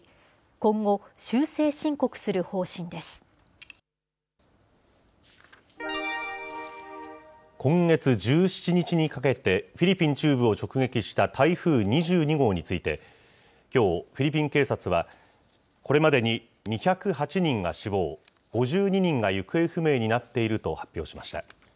今月１７日にかけてフィリピン中部を直撃した台風２２号について、きょう、フィリピン警察はこれまでに２０８人が死亡、５２人が行方不明になっていると発表しました。